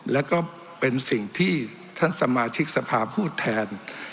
แล้วก็เป็นสิ่งที่ท่านสมาชิกสภาพูดแทน